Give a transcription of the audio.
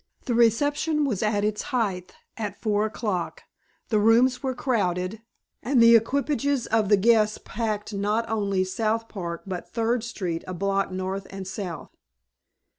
The reception was at its height at four o'clock. The rooms were crowded, and the equipages of the guests packed not only South Park but Third Street a block north and south.